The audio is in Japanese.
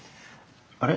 あれ？